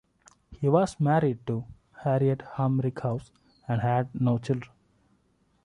He was married to Harriet Humrickhouse, and had no children.